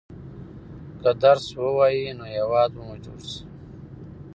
که درس ووايئ نو هېواد به مو جوړ شي.